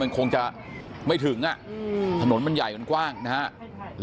มันคงจะไม่ถึงอ่ะอืมถนนมันใหญ่มันกว้างนะฮะใช่ใช่